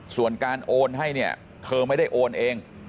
ส่วนการโอนให้เนี่ยเธอไม่ได้โอนเอง